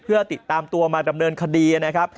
เพื่อติดตามตัวมาดำเนินคดีนะครับ